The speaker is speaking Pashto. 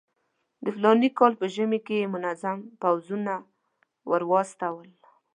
د فلاني کال په ژمي کې یې منظم پوځونه ورواستول.